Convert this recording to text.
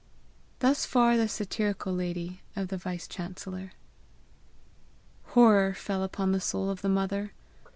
Thus far the satirical lady of the vice chancellor. Horror fell upon the soul of the mother.